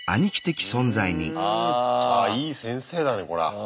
あいい先生だねこら。